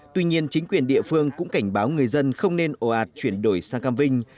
tuy nhiên chính quyền địa phương cũng cảnh báo người dân không nên ồ ạt chuyển đổi sang cam vinh